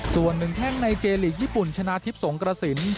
ส่วนหนึ่งแข้งในเจลีกญี่ปุ่นชนะทิพย์สงกระสิน